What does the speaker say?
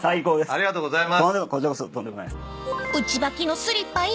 ありがとうございます。